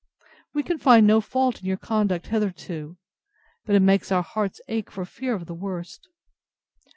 We can find no fault in your conduct hitherto: But it makes our hearts ache for fear of the worst.